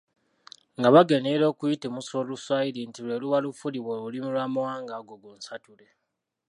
nga bagenderera okuyitimusa Oluswayiri nti lwe luba lufuulibwa olulimi lw’Amawanga ago gonsatule.